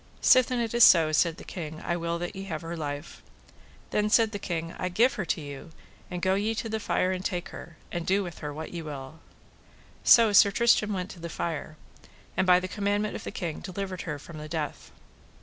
Sithen it is so, said the king, I will that ye have her life. Then, said the king, I give her to you, and go ye to the fire and take her, and do with her what ye will. So Sir Tristram went to the fire, and by the commandment of the king delivered her from the death.